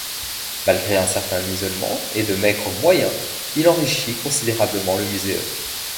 Malgré un certain isolement et de maigres moyens, il enrichit considérablement le muséum.